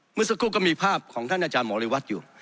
เมื่อสักครู่ก็มีภาพของท่านอาจารย์หมอเรวัตรอยู่